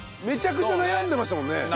めちゃくちゃ悩んでましたもんね。